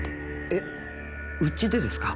えっ！？うちでですか？